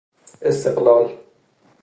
استقلال